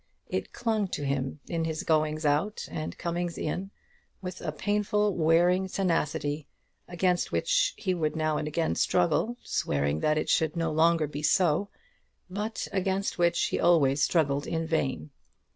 It clung to him in his goings out and comings in with a painful, wearing tenacity, against which he would now and again struggle, swearing that it should be so no longer, but against which he always struggled in vain.